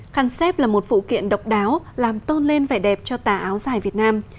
khăn xếp là một phụ kiện độc đáo làm tôn lên vẻ đẹp cho tà áo dài việt nam